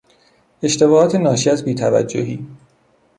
اشتباهات ناشی از بی توجهی